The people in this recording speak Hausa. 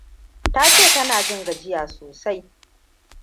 Tace ta na jin gajiya sosai.